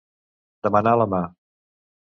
Demanar la mà.